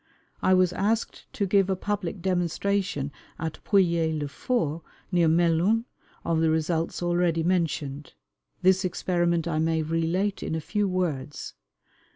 I was asked to give a public demonstration at Pouilly le Fort, near Melun, of the results already mentioned. This experiment I may relate in a few words.